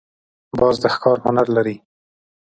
باز د ښکار هنر لري